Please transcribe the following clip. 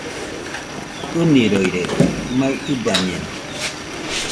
ɨniroirede, mai ɨbañeno